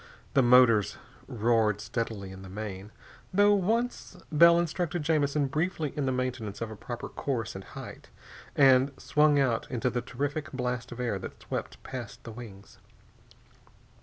The motors roared steadily in the main, though once Bell instructed Jamison briefly in the maintenance of a proper course and height, and swung out into the terrific blast of air that swept past the wings.